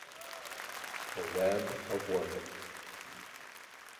A Web of Words.